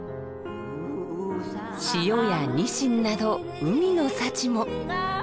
塩やにしんなど海の幸も。